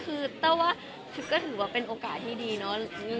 คือแต้วว่าก็ถือว่าเป็นโอกาสที่ดีเนาะ